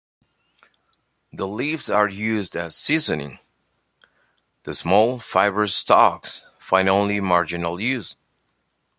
The leaves are used as seasoning; the small, fibrous stalks find only marginal use.